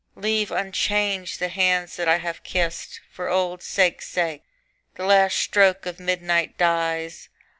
Leave unchanged The hands that I have kissed, For old sake's sake. The last stroke of midnight dies.